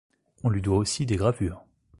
On lui doit aussi des gravures.